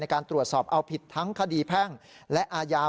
การตรวจสอบเอาผิดทั้งคดีแพ่งและอาญา